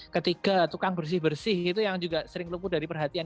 ketiga tukang bersih bersih itu yang juga sering luput dari perhatian